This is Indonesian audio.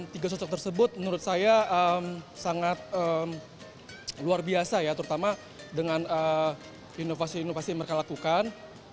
tiga sosok tersebut menurut saya sangat luar biasa ya terutama dengan inovasi inovasi yang mereka lakukan